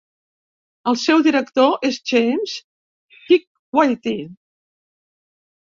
El seu director és James Shikwati.